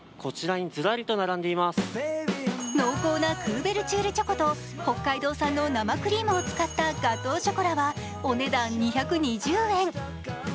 濃厚なクーベルチュールチョコと北海道産の生クリームを使ったガトーショコラはお値段２２０円。